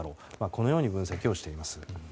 このように分析をしています。